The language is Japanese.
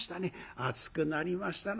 「暑くなりましたな」。